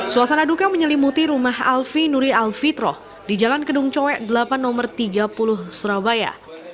suasana duka menyelimuti rumah alfi nuri alfitroh di jalan kedung coek delapan no tiga puluh surabaya